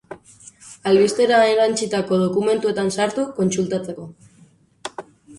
Albistera erantsitako dokumentuetan sartu kontsultatzeko.